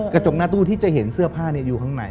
กระจกหน้าตู้ที่จะเห็นเสื้อผ้าอยู่ข้างใน